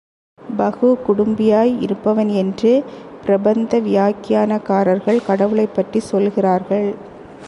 பஹு குடும்பியாய் இருப்பவன் என்று பிரபந்த வியாக்கியானக்காரர்கள் கடவுளைப் பற்றிச் சொல்லுகிறார்கள்.